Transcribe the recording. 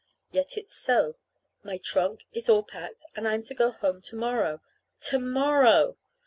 Yet it's so. My trunk is all packed, and I'm to go home to morrow. _To morrow!